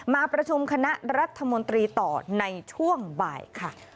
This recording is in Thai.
มาประชุมคณะรัฐมนตรีต่อในช่วงบ่ายค่ะ